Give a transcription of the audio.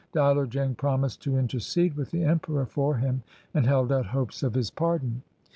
Diler Jang promised to in tercede with the Emperor for him, and held out hopes of his pardon.